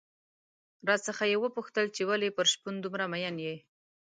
راڅخه یې وپوښتل چې ولې پر شپون دومره مين يې؟